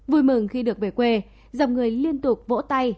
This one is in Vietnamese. vui mừng khi được về quê dòng người liên tục vỗ tay